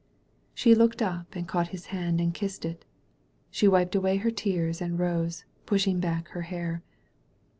'' She looked up and caught his hand and Idssed it. She wiped away her tears, and rose, pushing back her hair.